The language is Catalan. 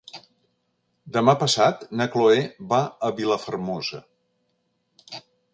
Demà passat na Cloè va a Vilafermosa.